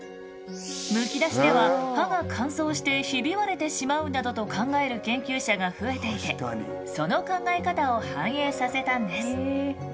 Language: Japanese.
むき出しでは歯が乾燥してひび割れてしまうなどと考える研究者が増えていてその考え方を反映させたんです。